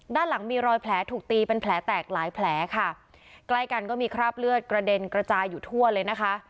ด้านหลังมีรอยแผลถูกตีเป็นแผลแตกหลายแผลค่ะใกล้กันก็มีคราบเลือดกระเด็นกระจายอยู่ทั่วเลยนะคะ